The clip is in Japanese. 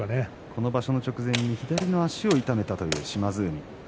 この場所の直前に左の足を痛めたという島津海。